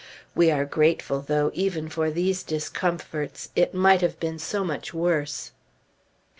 We are grateful, though, even for these discomforts; it might have been so much worse!